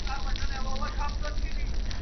خداى خبر دئ، چي تره کافر دئ.